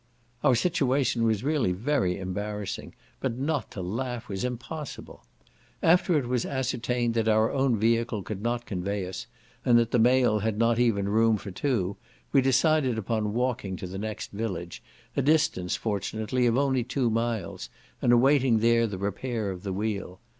Our situation was really very embarrassing, but not to laugh was impossible. After it was ascertained that our own vehicle could not convey us, and that the mail had not even room for two, we decided upon walking to the next village, a distance, fortunately, of only two miles, and awaiting there the repair of the wheel.